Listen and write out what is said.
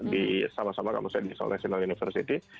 di sama sama kampusnya di national university